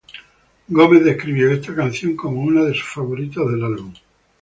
Gómez describió está canción como una de sus favoritas del álbum.